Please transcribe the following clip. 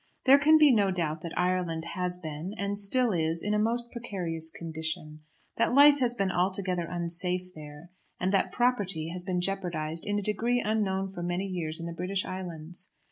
There can be no doubt that Ireland has been and still is in a most precarious condition, that life has been altogether unsafe there, and that property has been jeopardised in a degree unknown for many years in the British Islands.